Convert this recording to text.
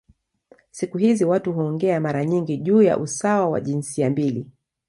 Siku hizi watu huongea mara nyingi juu ya usawa wa jinsia mbili.